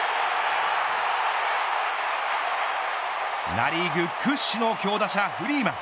ナ・リーグ屈指の強打者フリーマン。